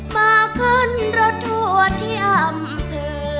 มาขึ้นรถทั่วที่อำนาจ